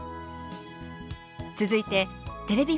続いてテレビ